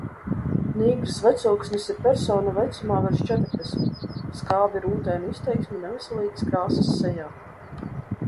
Nīgrs vecūksnis ir persona vecumā virs četrdesmit, ar skābi rūtainu izteiksmi neveselīgas krāsas sejā.